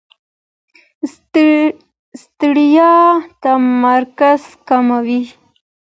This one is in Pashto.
ستړیا تمرکز کموي.